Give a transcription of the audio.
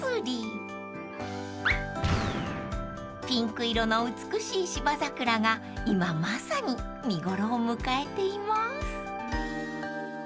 ［ピンク色の美しい芝桜が今まさに見頃を迎えています］